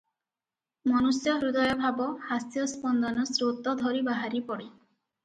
ମନୁଷ୍ୟ ହୃଦୟଭାବ ହାସ୍ୟସ୍ପନ୍ଦନ ସ୍ରୋତ ଧରି ବାହାରିପଡ଼େ ।